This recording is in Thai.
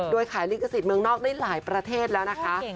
โดยขายลิขสิทธิ์เมืองนอกได้หลายประเทศแล้วนะคะ